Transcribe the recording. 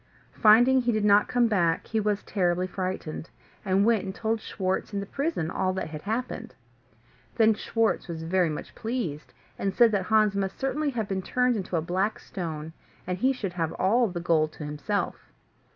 Finding he did not come back, he was terribly frightened, and went and told Schwartz in the prison all that had happened. Then Schwartz was very much pleased, and said that Hans must certainly have been turned into a black stone, and he should have all the gold to himself.